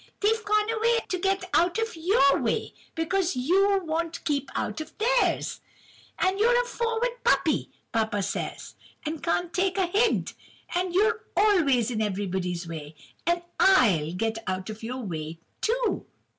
They've gone away to get out of your way, because you won't keep out of theirs. And you're a forward puppy, papa says, and can't take a hint; and you're always in everybody's way, and I'll get out of your way, too!